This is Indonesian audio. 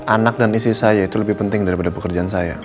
anak dan istri saya itu lebih penting daripada pekerjaan saya